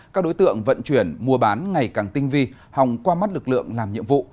các đối tượng vận chuyển mua bán ngày càng tinh vi hòng qua mắt lực lượng làm nhiệm vụ